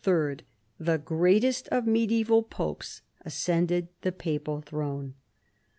the greatest of medieval popes, ascended the papal throne.